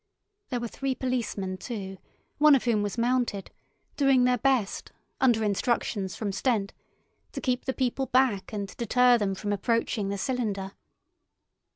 There were three policemen too, one of whom was mounted, doing their best, under instructions from Stent, to keep the people back and deter them from approaching the cylinder.